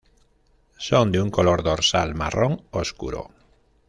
Son de un color dorsal marrón oscuro.